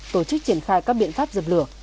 tổ chức triển khai các biện pháp dập lửa